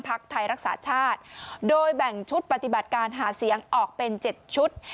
ไทยรักษาชาติโดยแบ่งชุดปฏิบัติการหาเสียงออกเป็น๗ชุด